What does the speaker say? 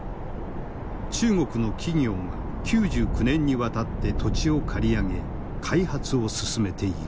中国の企業が９９年にわたって土地を借り上げ開発を進めている。